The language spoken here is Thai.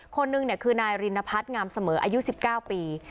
คนหนึ่งคือนายรินพัฒน์งามเสมออายุ๑๙ปี